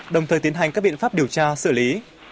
đồng thời tiến hành các biện pháp điều tra xử lý